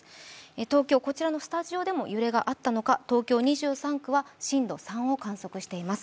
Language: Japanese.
東京、こちらのスタジオでも揺れがあったのか、東京２３区は震度３を観測しています。